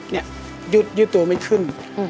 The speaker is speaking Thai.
นี่ยืดตัวไม่ขึ้น